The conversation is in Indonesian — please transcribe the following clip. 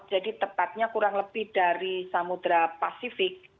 jadi tepatnya kurang lebih dari samudera pasifik